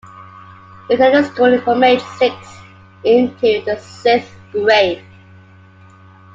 He attended school from age six into the sixth grade.